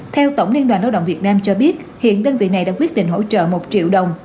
theo tổng liên đoàn lao động việt nam cho biết hiện đơn vị này đã quyết định hỗ trợ một triệu đồng